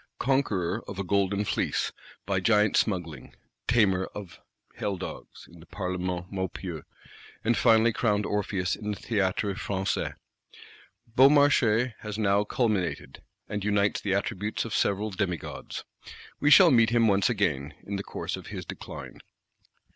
Conqueror of a golden fleece, by giant smuggling; tamer of hell dogs, in the Parlement Maupeou; and finally crowned Orpheus in the Théâtre Français, Beaumarchais has now culminated, and unites the attributes of several demigods. We shall meet him once again, in the course of his decline.